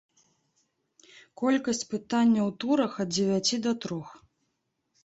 Колькасць пытанняў у турах ад дзевяці да трох.